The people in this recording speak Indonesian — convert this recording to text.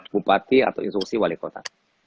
bupati atau instruksi wali kota